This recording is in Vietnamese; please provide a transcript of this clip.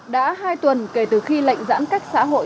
đã hai tuần kể từ khi lệnh giãn cách xã hội